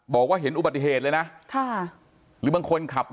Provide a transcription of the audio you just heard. สวัสดีครับ